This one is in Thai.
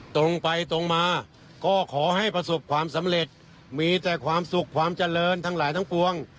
ตรงไปตรงมาก็ขอให้ประสบความสำเร็จมีแต่ความสุขความเจริญทั้งหลายทั้งปวง